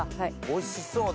おいしそう！